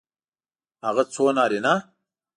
هغه څو نارینه